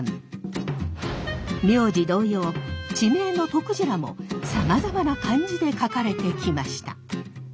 名字同様地名のとくじらもさまざまな漢字で書かれてきました。